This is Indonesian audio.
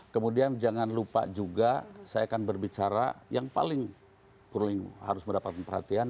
kemudian jangan lupa juga saya akan berbicara yang paling kurning harus mendapatkan perhatian